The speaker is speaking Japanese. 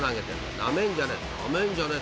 ナメんじゃねえ］